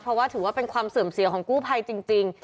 เพราะว่าถือว่าเป็นความเสื่อมเสียของกู้ภัยจริง